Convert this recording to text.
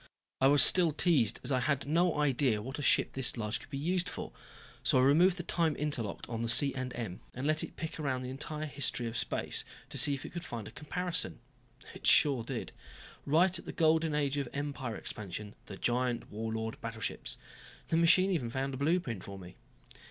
"I was still teased, as I had no idea what a ship this large could be used for. So I removed the time interlock on the C & M and let it pick around through the entire history of space to see if it could find a comparison. It sure did. Right at the Golden Age of Empire expansion, the giant Warlord battleships. The machine even found a blueprint for me."